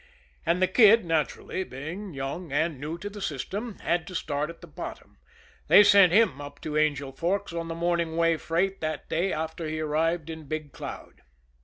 And the Kid, naturally, being young and new to the system, had to start at the bottom they sent him up to Angel Forks on the morning way freight the day after he arrived in Big Cloud.